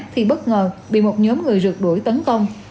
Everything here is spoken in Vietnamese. thì bất ngờ bị một nhóm người rượt đuổi tấn công